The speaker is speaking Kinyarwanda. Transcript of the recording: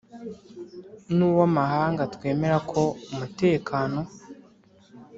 N uw amahanga twemera ko umutekano